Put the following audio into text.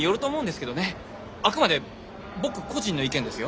あくまで僕個人の意見ですよ？